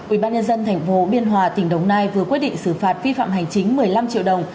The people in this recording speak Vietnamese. ubnd tp biên hòa tỉnh đồng nai vừa quyết định xử phạt vi phạm hành chính một mươi năm triệu đồng